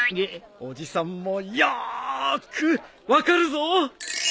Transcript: おじさんもよく分かるぞ！